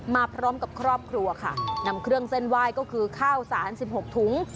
มาพร้อมกับครอบครัวค่ะนำเครื่องเส้นไหว้ก็คือข้าวสาร๑๖ถุง